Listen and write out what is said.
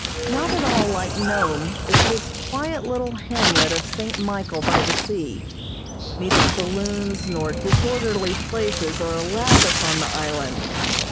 Not at all like Nome is this quiet little hamlet of St. Michael by the sea. Neither saloons nor disorderly places are allowed upon the island.